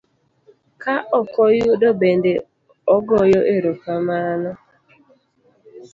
ka okoyudo bende ogoyo ero kamano.